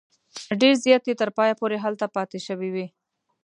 ډېر زیات یې تر پایه پورې هلته پاته شوي وي.